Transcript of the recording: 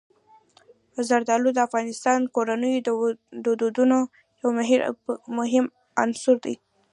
زردالو د افغان کورنیو د دودونو یو مهم عنصر دی.